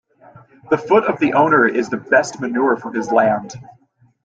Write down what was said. The foot of the owner is the best manure for his land.